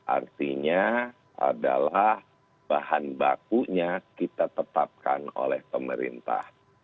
artinya adalah bahan bakunya kita tetapkan oleh pemerintah